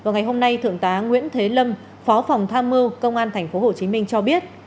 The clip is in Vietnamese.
ngày hôm nay thượng tá nguyễn thế lâm phó phòng tham mưu công an tp hcm cho biết